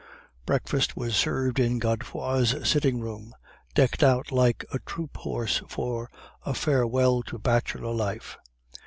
Breakfast was served in Godefroid's sitting room, decked out like a troop horse for a farewell to bachelor life.